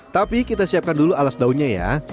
tapi kita siapkan dulu alas daunnya ya